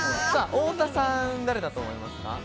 太田さん、誰だと思いますか？